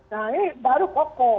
nah ini baru kokoh